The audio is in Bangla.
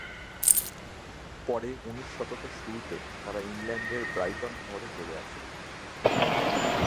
পরে উনিশ শতকের শুরুতে তারা ইংল্যান্ডের ব্রাইটন শহরে চলে আসেন।